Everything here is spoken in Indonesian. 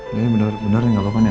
iya bener bener gak apa apa nih